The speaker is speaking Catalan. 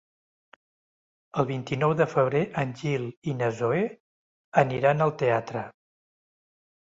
El vint-i-nou de febrer en Gil i na Zoè aniran al teatre.